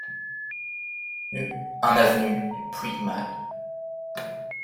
un avenue du Puigmal